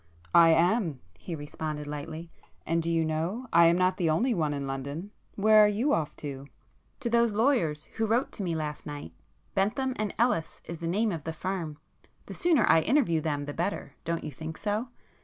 "I am!" he responded lightly—"And do you know I am not the only one in London! Where are you off to?" "To those lawyers who wrote to me last night;—Bentham and Ellis is the name of the firm. The sooner I interview them the better,—don't you think so?"